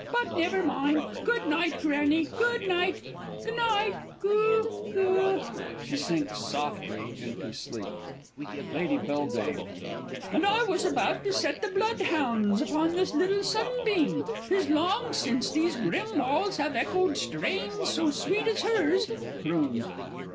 But never mind.... Good night, Grannie, good night ... goo'ni' ... goo ... goo! [She sinks softly to sleep. Lady B. And I was about to set the bloodhounds upon this little sunbeam! 'Tis long since these grim walls have echoed strains so sweet as hers. (_Croons.